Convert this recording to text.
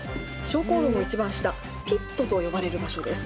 昇降路の一番下ピットと呼ばれる場所です。